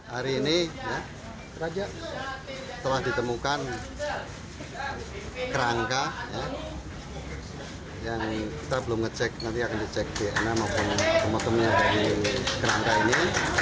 hari ini raja telah ditemukan kerangka yang kita belum ngecek nanti akan dicek dna maupun otomotongnya dari kerangka ini